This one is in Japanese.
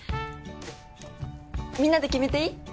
みんなで決めていい？